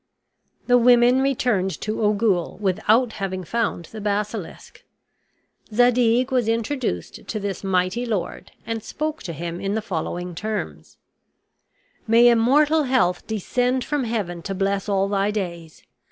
The women returned to Ogul without having found the basilisk. Zadig was introduced to this mighty lord and spoke to him in the following terms: "May immortal health descend from heaven to bless all thy days!